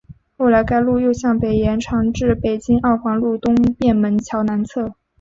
后来该路又向北延长至北京二环路东便门桥南侧。